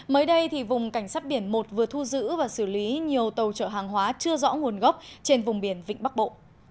mới đây vùng cảnh sát biển một vừa thu giữ và xử lý nhiều tàu chở hàng hóa chưa rõ nguồn gốc trên vùng biển vịnh bắc bộ